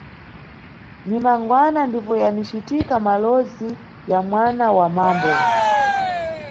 Ni mangwana ndipo yanicitika mawolozi ya mwana wa mambo.